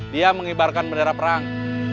dia mengibarkan bendera perang